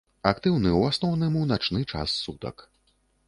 Актыўны ў асноўным у начны час сутак.